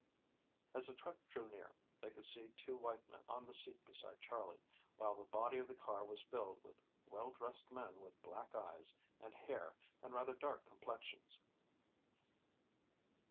As the truck drew near, they could see two white men on the seat beside Charley, while the body of the car was filled with well dressed men with black eyes and hair and rather dark complexions.